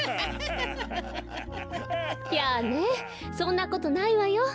やあねそんなことないわよ。